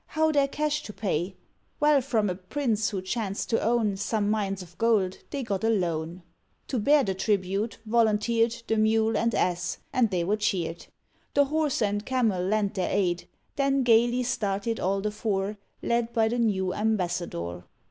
how their cash to pay? Well from a prince, who chanced to own Some mines of gold, they got a loan. To bear the tribute volunteered The Mule and Ass, and they were cheered; The Horse and Camel lent their aid. Then gaily started all the four, Led by the new ambassador.